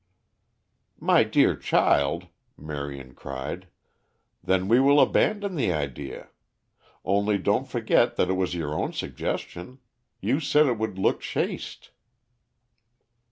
"My dear child," Marion cried, "then we will abandon the idea. Only don't forget that it was your own suggestion. You said it would look chaste."